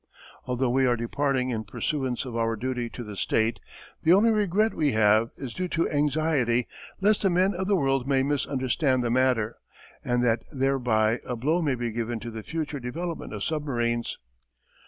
Although we are departing in pursuance of our duty to the State, the only regret we have is due to anxiety lest the men of the world may misunderstand the matter, and that thereby a blow may be given to the future development of submarines.